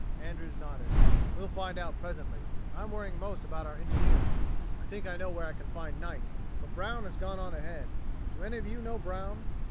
Andrews nodded. "We'll find out presently. I'm worrying most about our engineers. I think I know where I can find Knight, but Brown has gone on ahead. Do any of you know Brown?"